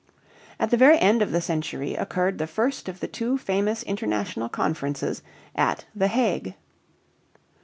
At the very end of the century occurred the first of the two famous international conferences at The Hague.